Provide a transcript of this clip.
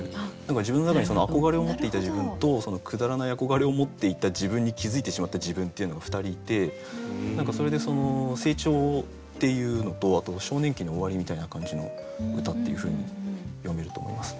自分の中に憧れを持っていた自分とくだらない憧れを持っていた自分に気付いてしまった自分っていうのが２人いてそれで成長っていうのとあと少年期の終わりみたいな感じの歌っていうふうに読めると思います。